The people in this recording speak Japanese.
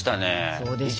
そうでしょ。